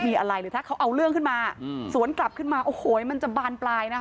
มีอะไรหรือถ้าเขาเอาเรื่องขึ้นมาสวนกลับขึ้นมาโอ้โหมันจะบานปลายนะคะ